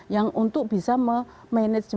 yang untuk bisa memanajemen